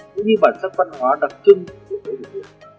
cũng như bản sắc văn hóa đặc trưng của đất nước